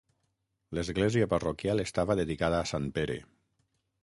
L'església parroquial estava dedicada a Sant Pere.